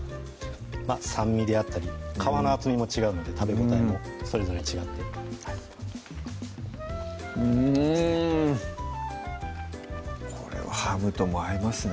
酸味であったり皮の厚みも違うので食べ応えもそれぞれ違ってうんこれはハムとも合いますね